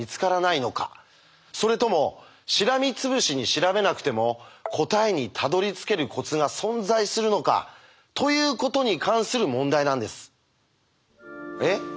それともしらみつぶしに調べなくても答えにたどりつけるコツが存在するのか？ということに関する問題なんです。え？